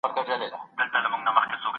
نه یو بل موږک پرېږدي و خپلي خواته